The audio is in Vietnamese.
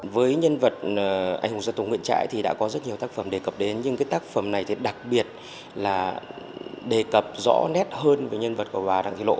với nhân vật anh hùng dân tộc nguyễn trãi thì đã có rất nhiều tác phẩm đề cập đến nhưng cái tác phẩm này thì đặc biệt là đề cập rõ nét hơn về nhân vật của bà đặng thị lộ